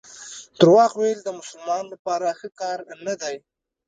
درواغ ویل د مسلمان لپاره ښه کار نه دی.